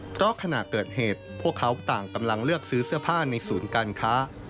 เพราะขณะเกิดเหตุพวกเขาต่างกำลังเลือกซื้อเสื้อผ้าในศูนย์การค้า